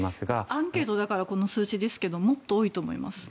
アンケートだからこの数字ですけどもっと多いと思います。